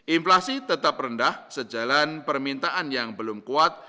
inflasi tetap rendah sejalan permintaan yang belum kuat